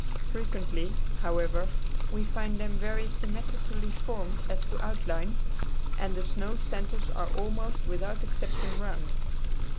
Frequently, however, we find them very symmetrically formed as to outline, and the snow centers are almost without exception round.